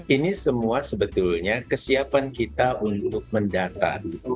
ini semua sebetulnya kesiapan kita untuk mendata